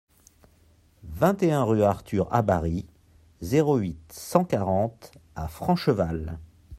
vingt et un rue Arthur Habary, zéro huit, cent quarante à Francheval